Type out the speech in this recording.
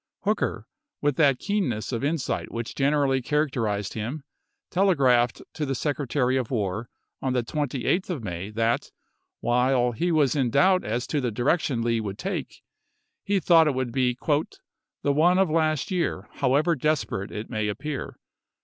Hooker, with that keenness of insight which generally characterized him, tele graphed to the Secretary of War, on the 28th of Hooker t0 May, that, while he was in doubt as to the direction MayTsasfe. Lee would take, he thought it would be " the one voi^xxv., Part II of last year, however desperate it may appear."